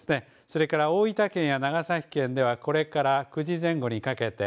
それから大分県や長崎県ではこれから、９時前後にかけて。